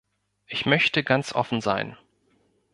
Ich möchte ganz offen sein.